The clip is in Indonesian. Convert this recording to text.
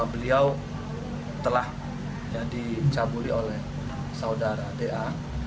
beliau telah dicabuli oleh saudara